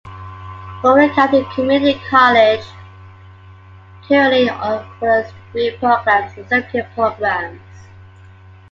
Warren County Community College currently offers degree programs and certificate programs.